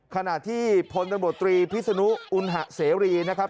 ขณะที่พลตำรวจตรีพิศนุอุณหะเสรีนะครับ